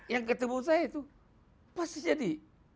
yang ketemu saya itu pasti jadi